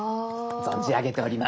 存じ上げております。